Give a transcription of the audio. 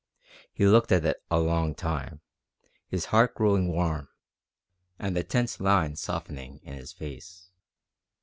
He looked at it a long time, his heart growing warm, and the tense lines softening in his face.